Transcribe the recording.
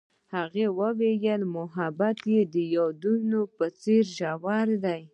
هغې وویل محبت یې د یادونه په څېر ژور دی.